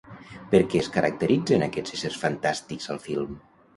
Per què es caracteritzen aquests éssers fantàstics al film?